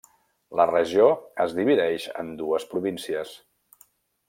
La regió es divideix en dues províncies: